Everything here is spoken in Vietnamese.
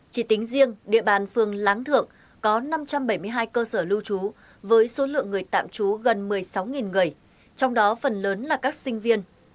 chỉ tính riêng địa bàn phường láng thượng có năm trăm bảy mươi hai cơ sở lưu trú với số lượng người tạm trú gần một mươi sáu người trong đó phần lớn là các sinh viên